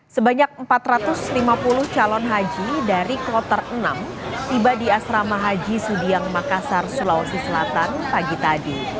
sebanyak empat ratus lima puluh calon haji dari kloter enam tiba di asrama haji sudiang makassar sulawesi selatan pagi tadi